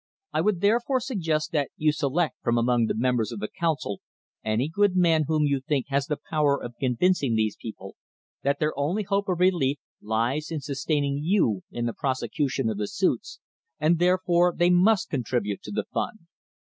I would therefore suggest that you select from among the members of the Council any good man whom you think has the power of convincing these people that their only hope of relief lies in sustaining you in the prosecution of the suits, and therefore they must contribute to the fund.